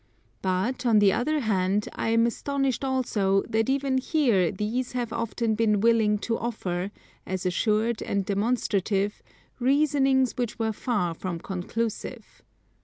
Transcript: But, on the other hand I am astonished also that even here these have often been willing to offer, as assured and demonstrative, reasonings which were far from conclusive.